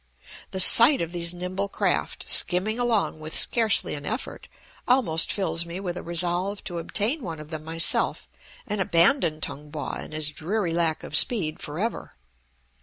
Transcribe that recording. The sight of these nimble craft, skimming along with scarcely an effort, almost fills me with a resolve to obtain one of them myself and abandon Tung Po and his dreary lack of speed forever.